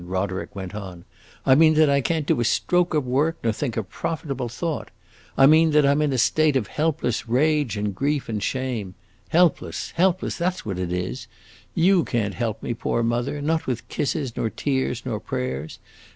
Roderick went on. "I mean that I can't do a stroke of work nor think a profitable thought! I mean that I 'm in a state of helpless rage and grief and shame! Helpless, helpless that 's what it is. You can't help me, poor mother not with kisses, nor tears, nor prayers!